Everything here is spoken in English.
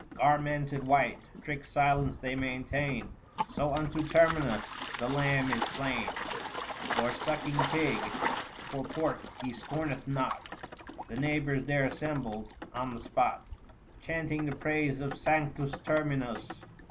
Garmented white, strict silence they maintain ; 700 So unto Terminus the lamb is slain, Or sucking pig — for pork he scorneth not. •The neighbours there assembled on the spot Chanting the praise of Sanctus Terminus.